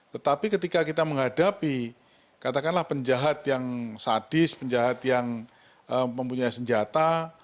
tetapi ketika kita menghadapi katakanlah penjahat yang sadis penjahat yang mempunyai senjata